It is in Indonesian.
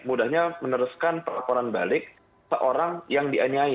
mudahnya meneruskan pelaporan balik seorang yang dianyai